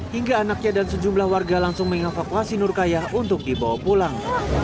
hingga anaknya dan sejumlah warga langsung mengevakuasi nur kayah untuk dibawa pulang